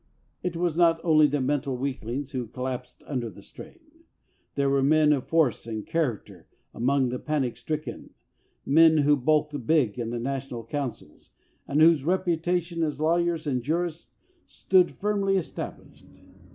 It was not only the mental weaklings who col lapsed under the strain. There were men of force and character among the panic stricken — men who bulked big in the national councils and whose reputation as lawyers and jurists stood firmly established.